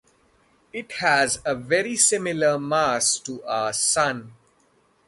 It has a very similar mass to our Sun.